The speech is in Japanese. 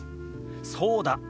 そうだ。